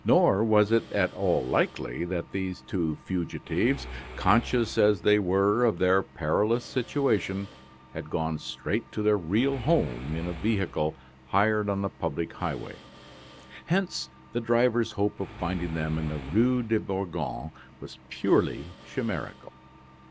Nor was it at all likely that these two fugitives, conscious as they were of their perilous situation, had gone straight to their real home in a vehicle hired on the public highway. Hence, the driver's hope of finding them in the Rue de Bourgogne was purely chimerical.